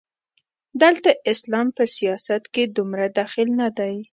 دلته اسلام په سیاست کې دومره دخیل نه دی.